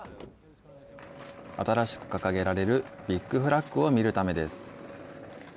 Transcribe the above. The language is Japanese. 新しく掲げられるビッグフラッグを見るためです。